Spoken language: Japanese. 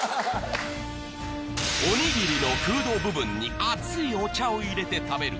おにぎりの空洞部分に熱いお茶を入れて食べる